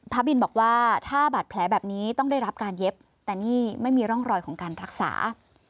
บินบอกว่าถ้าบาดแผลแบบนี้ต้องได้รับการเย็บแต่นี่ไม่มีร่องรอยของการรักษา